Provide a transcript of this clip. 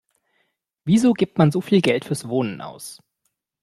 Wieso gibt man so viel Geld fürs Wohnen aus?